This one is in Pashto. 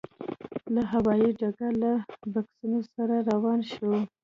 له هوايي ډګره له بکسونو سره روان شوو.